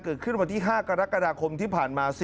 เกิดขึ้นวันที่๕กรกฎาคมที่ผ่านมา